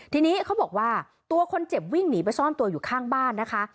ทีนี้เขาบอกว่าตัวคนเจ็บวิ่งหนีไปซ่อนตัวอยู่ข้างบ้านนะคะ